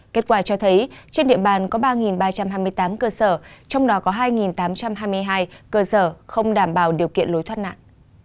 kết quả cho thấy trên địa bàn có ba ba trăm hai mươi tám cơ sở trong đó có hai tám trăm hai mươi hai cơ sở không đảm bảo điều kiện lối thoát nạn